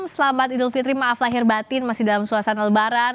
selamat idul fitri maaf lahir batin masih dalam suasana lebaran